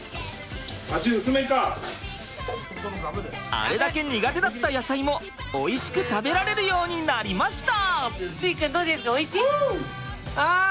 あれだけ苦手だった野菜もおいしく食べられるようになりました！